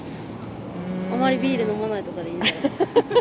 あまりビール飲まないとかでいいんじゃないの？